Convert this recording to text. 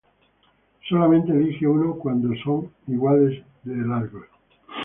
Solamente elige uno cuando son igual de largos.